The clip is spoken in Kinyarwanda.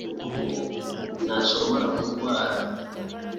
ntashobora kurwara